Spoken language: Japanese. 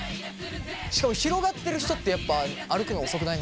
しかも広がってる人ってやっぱ歩くのが遅くない？